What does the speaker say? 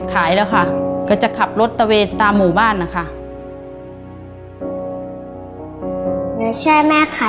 ขายลูกชิ้นแล้วก็ร้องเรียกลูกค้าช่วยแม่ค่ะ